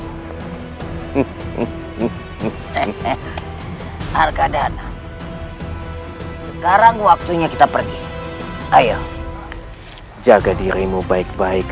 hai baiklah raga hehehe harga dana sekarang waktunya kita pergi ayo jaga dirimu baik baik